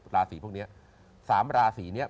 ราศีพวกนี้๓ราศีนี้